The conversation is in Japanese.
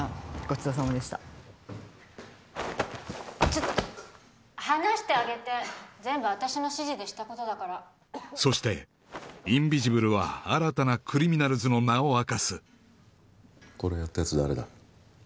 ごちそうさまでしたちょっと離してあげて全部私の指示でしたことだからそしてインビジブルは新たなクリミナルズの名を明かすこれやったやつ誰だ？